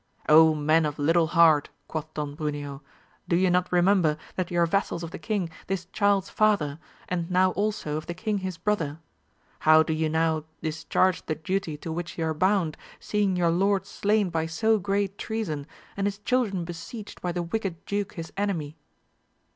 men of little heart ! quoth Don Bruneo, do ye not remem ber that ye are vassals of the king, this child's father, and now also of the king his brother 1 how do ye now discharge the duty to which ye are bound, seeing your lord slain by so great treason, and his children besieged by the wicked duke his enemy